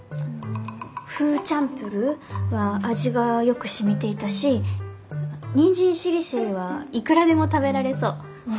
フーチャンプルーは味がよくしみていたしにんじんしりしりーはいくらでも食べられそう。